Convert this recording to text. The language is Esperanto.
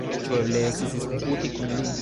Ĉu eble estis disputi kun li?